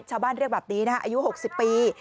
ชาวบ้านเรียกแบบนี้นะอายุ๖๐ปี